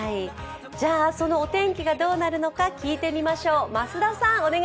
そのお天気がどうなるのか聞いてみましょう。